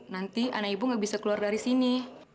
nanti anak ibu nggak bisa keluar dari sini